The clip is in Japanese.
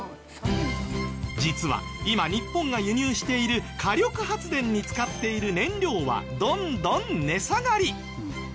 実は今日本が輸入している火力発電に使っている燃料はどんどん値下がり！